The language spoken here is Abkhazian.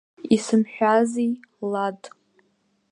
Исымҳәази, Лад!